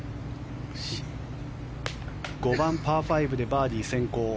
５番、パー５でバーディー先行。